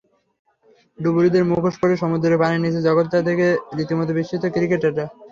ডুবুরিদের মুখোশ পরে সমুদ্রের পানির নিচের জগৎটা দেখে রীতিমতো বিস্মিত ক্রিকেটাররা।